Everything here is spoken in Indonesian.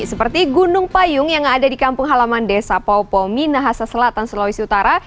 seperti gunung payung yang ada di kampung halaman desa popo minahasa selatan sulawesi utara